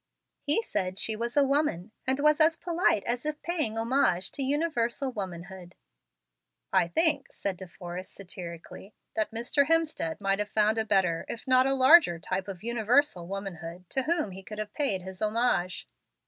"He said she was a 'woman,' and was as polite is if paying homage to universal womanhood." "I think," said De Forrest, satirically, "that Mr. Hemstead might have found a better, if not a larger type of 'universal womanhood' to whom he could have paid his homage.